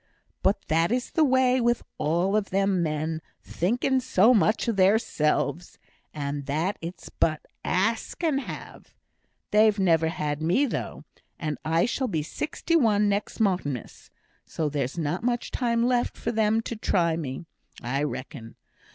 But that is the way with all of them men, thinking so much of theirselves, and that it's but ask and have. They've never had me, though; and I shall be sixty one next Martinmas, so there's not much time left for them to try me, I reckon.